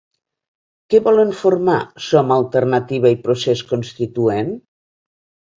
Què volen formar Som Alternativa i Procés Constituent?